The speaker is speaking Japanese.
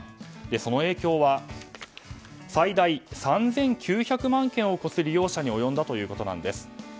その影響は最大３９００万件を超す利用者に及んだということです。